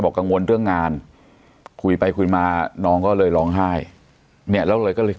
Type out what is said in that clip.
กังวลเรื่องงานคุยไปคุยมาน้องก็เลยร้องไห้เนี่ยแล้วเลยก็เลย